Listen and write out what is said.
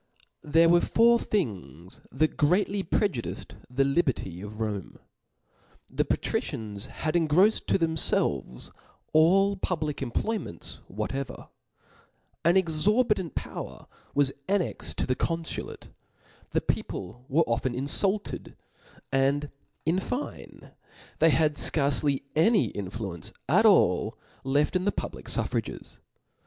'TpH ERE were four things that greatly preju •*• diced the liberty of Rome. The patricians h^ engroiled to themfelves all public employ ments whatever % an exorbitant power was annex* e4 to the confulate ; the people were often infulted ; and in fine they had fcarce any influence at all left in the public fuffrages.